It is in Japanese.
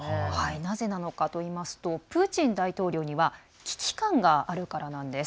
なぜなのかといいますとプーチン大統領には危機感があるからなんです。